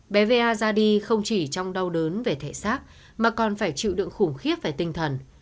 bé va ra đi không chỉ trong đau đớn về thể xác mà còn phải chịu đựng khủng khiếp về tinh thần